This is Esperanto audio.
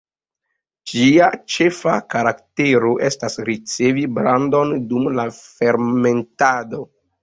Ĝia ĉefa karaktero estas ricevi brandon dum la fermentado.